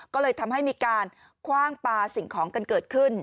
ก็เลยทำให้มีการคว่างปลาสิ่งของกันเกิดขึ้น